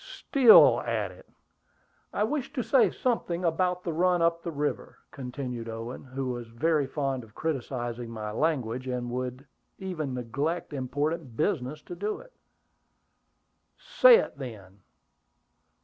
"Still at it!" "I wish to say something about the run up the river," continued Owen, who was very fond of criticising my language, and would even neglect important business to do it. "Say it, then."